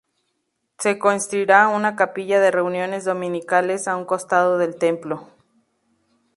Se construirá una capilla de reuniones dominicales a un costado del templo.